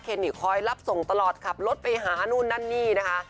คอยรับส่งตลอดขับรถไปหานู่นนั่นนี่นะคะ